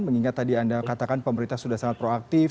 mengingat tadi anda katakan pemerintah sudah sangat proaktif